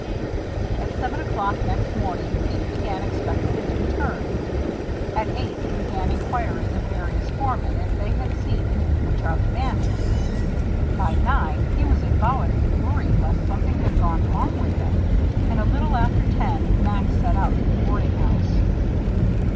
At seven o'clock next morning Pete began expecting his return. At eight he began inquiring of various foremen if they had seen anything of Charlie Bannon. By nine he was avowedly worried lest something had gone wrong with him, and a little after ten Max set out for the boarding house.